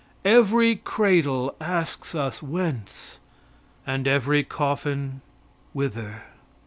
Every cradle asks us "Whence?" and every coffin "Whither?"